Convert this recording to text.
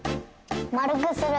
まるくする？